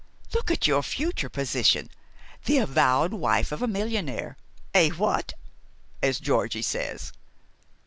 Look at your future position the avowed wife of a millionaire. Eh, what? as Georgie says."